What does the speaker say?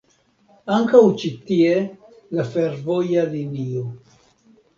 Ankaŭ ĉi tie la fervoja linio.